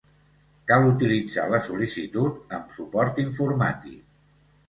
Cal utilitzar la sol·licitud amb suport informàtic.